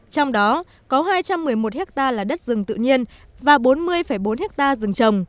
trong đó có hai trăm một mươi một hectare là đất rừng tự nhiên và bốn mươi bốn hectare rừng trồng